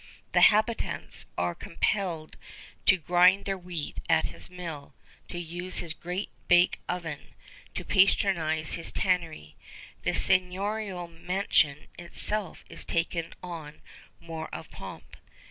The habitants are compelled to grind their wheat at his mill, to use his great bake oven, to patronize his tannery. The seigniorial mansion itself is taking on more of pomp.